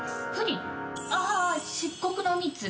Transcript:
ああ漆黒の蜜？